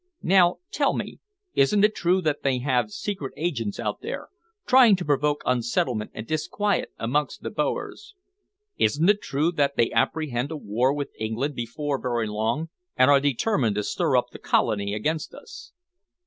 Now tell me, isn't it true that they have secret agents out there, trying to provoke unsettlement and disquiet amongst the Boers? Isn't it true that they apprehend a war with England before very long and are determined to stir up the Colony against us?"